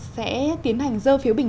sẽ tiến hành dơ phiếu bình